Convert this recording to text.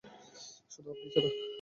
শুধু আপনি ছাড়া।